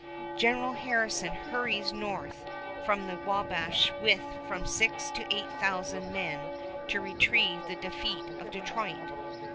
General Harrison hurries north from the Wabash with from six to eight thousand men to retrieve the defeat of Detroit.